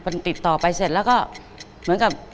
มันติดต่อไปเสร็จแล้วก็เหมือนกับ